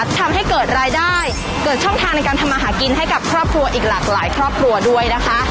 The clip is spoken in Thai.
ทำให้เกิดรายได้เกิดช่องทางในการทำมาหากินให้กับครอบครัวอีกหลากหลายครอบครัวด้วยนะคะ